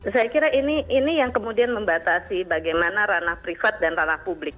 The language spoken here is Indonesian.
saya kira ini yang kemudian membatasi bagaimana ranah privat dan ranah publik